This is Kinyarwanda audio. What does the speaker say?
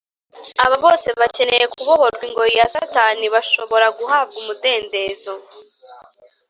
Aba bose bakeneye kubohorwa ingoyi ya Satani bashobora guhabwa umudendezo